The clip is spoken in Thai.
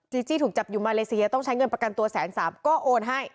จีจี้ถูกจับอยู่มาเลเซียต้องใช้เงินประกันตัวแสนสามก็โอนให้